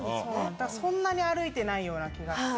だからそんなに歩いてないような気がして。